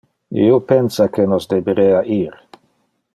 Io pensa que nos deberea ir.